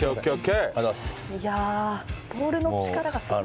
いやあボールの力がすごい。